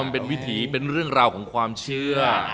เป็นวิถีเป็นเรื่องราวของความเชื่อ